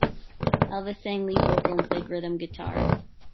Elvis sang lead vocal, and played rhythm guitar.